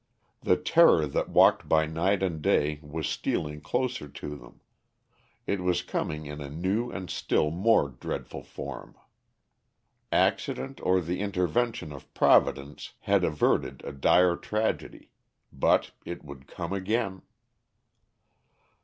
The terror that walked by night and day was stealing closer to them; it was coming in a new and still more dreadful form. Accident or the intervention of Providence had averted a dire tragedy; but it would come again.